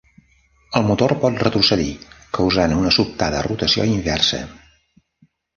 El motor pot retrocedir, causant una sobtada rotació inversa.